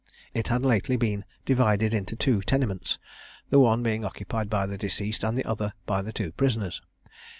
It had lately been divided into two tenements, the one being occupied by the deceased, and the other by the two prisoners.